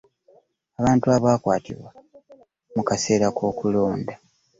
Ku bantu abaakwatibwa mu kaseera k'okulonda